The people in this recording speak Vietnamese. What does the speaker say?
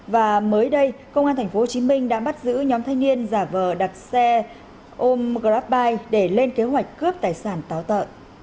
và mới đây công an tp hcm đã bắt giữ nhóm thanh niên giả vờ đặt xe ôm grabbuy để lên kế hoạch cướp tài sản táo tợ